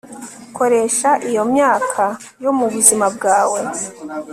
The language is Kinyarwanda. koresha iyo myaka yo mu buzima bwawe